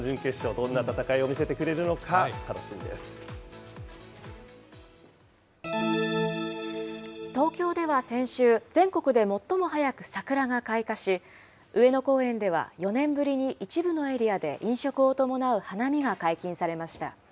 どんな戦いを見せてくれるのか、東京では先週、全国で最も早く桜が開花し、上野公園では４年ぶりに一部のエリアで飲食を伴う花見が解禁されました。